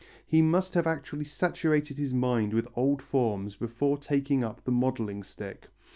He must have actually saturated his mind with old forms before taking up the modelling stick.